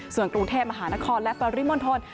ส่วนกรุงเทพมหานครและปริมณฑล